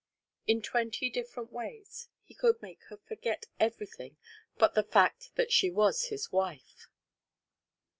In twenty different ways he could make her forget everything but the fact that she was his wife.